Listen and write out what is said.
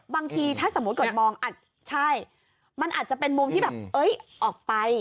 บางทีถ้าสมมติกดมองใช่มันอาจจะเป็นมุมที่ออกไป